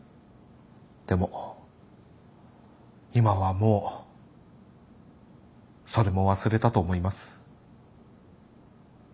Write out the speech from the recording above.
でも今はもうそれも忘れたと思います。